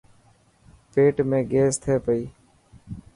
پيٽ ۾ گيس ٿي پئي.